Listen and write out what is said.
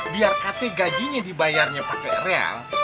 biar kata gajinya dibayarnya pake real